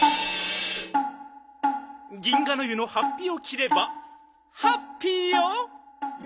銀河ノ湯のはっぴをきればハッピーよ！